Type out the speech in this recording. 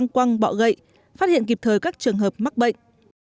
quăng bọ gậy phát hiện kịp thời các trường hợp mắc bệnh